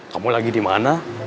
kamu lagi dimana